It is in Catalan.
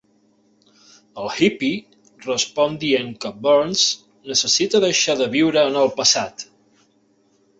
El hippie respon dient que Burns necessita deixar de viure en el passat.